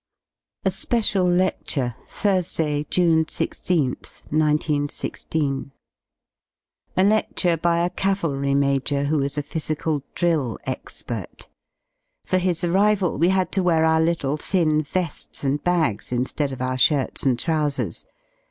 A SPECIAL LECTURE Thursday, 'jv n'E i6th, 191 6. A ledure by a cavalry major who is a physical drill expert. For his arrival we had to wear our little thin ve^s and bags in^ead of our shirts and trousers.